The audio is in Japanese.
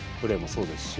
そうですね。